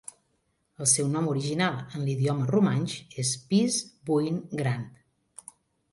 El seu nom original en l'idioma romanx és "Piz Buin Grand".